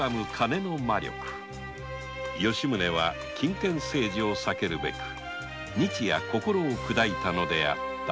吉宗は金権政治をさけるべく日夜心をくだいたのであった